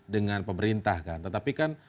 dengan pemerintah kan tetapi kan